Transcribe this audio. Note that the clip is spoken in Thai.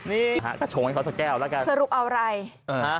นี่หากระโฉงให้เขาสักแก้วแล้วกันสรุปเอาไรฮะ